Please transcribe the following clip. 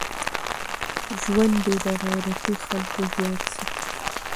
ژوند دي د غيرتي خلکو زيات سي.